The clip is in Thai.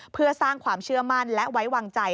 เพื่อสร้างความเชื่อมั่นและไว้วางใจ